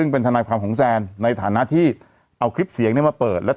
พระราบก็เอาปิดไปหมดแล้ว